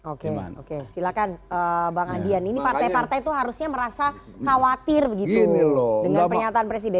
oke silakan bang adian ini partai partai itu harusnya merasa khawatir begitu dengan pernyataan presiden